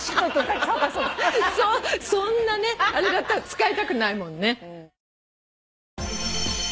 そんなあれだったら使いたくないもんね。